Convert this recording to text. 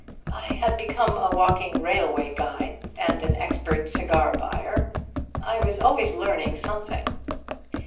I had become a walking railway guide and an expert cigar buyer. I was always learning something.